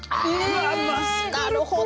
あなるほど。